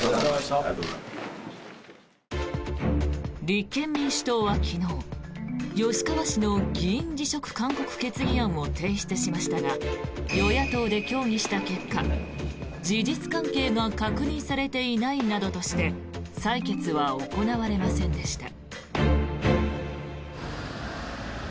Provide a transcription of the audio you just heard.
立憲民主党は昨日吉川氏の議員辞職勧告決議案を提出しましたが与野党で協議した結果事実関係が確認されていないなどとして採決は行われませんでした。